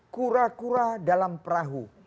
kura kura dalam perahu